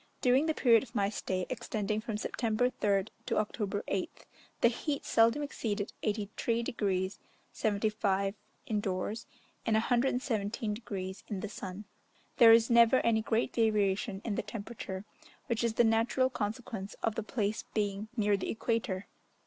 During the period of my stay, extending from September 3rd to October 8th, the heat seldom exceeded 83 degrees 75' indoors, and 117 degrees in the sun. There is never any great variation in the temperature, which is the natural consequence of the place being near the equator.